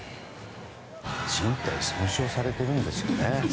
じん帯損傷されているんですよね。